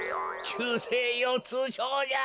きゅうせいようつうしょうじゃ。